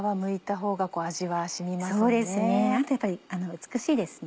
そうですねあとやっぱり美しいですね